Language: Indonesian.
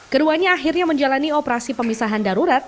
keduanya akhirnya menjalani operasi pemisahan darurat